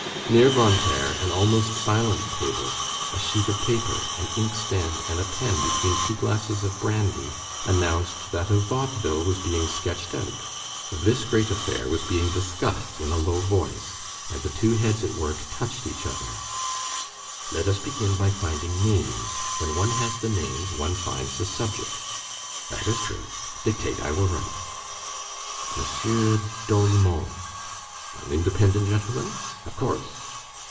Near Grantaire, an almost silent table, a sheet of paper, an inkstand and a pen between two glasses of brandy, announced that a vaudeville was being sketched out. This great affair was being discussed in a low voice, and the two heads at work touched each other: "Let us begin by finding names. When one has the names, one finds the subject." "That is true. Dictate. I will write." "Monsieur Dorimon." "An independent gentleman?" "Of course."